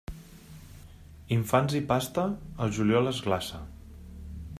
Infants i pasta, el juliol es glaça.